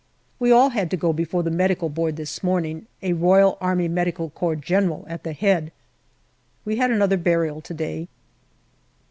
We all had to go before the Medical Board this morning, a R.A.M.C. General at the head. We had another burial to day.